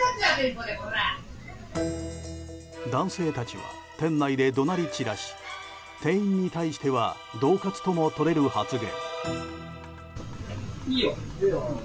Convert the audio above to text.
男性たちは店内で怒鳴り散らし店員に対してはどう喝ともとれる発言。